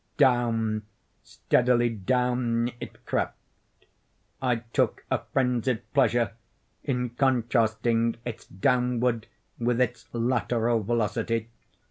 Down—steadily down it crept. I took a frenzied pleasure in contrasting its downward with its lateral velocity.